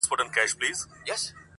در بخښلی په ازل کي یې قدرت دئ؛